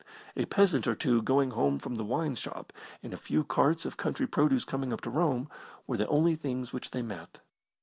A peasant or two going home from the wine shop, and a few carts of country produce coming up to Rome, were the only things which they met.